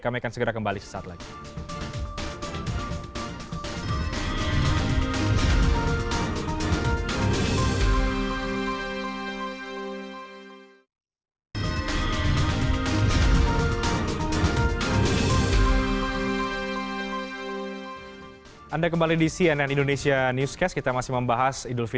kami akan segera kembali sesaat lagi